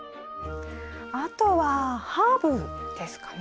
あとはハーブですかね。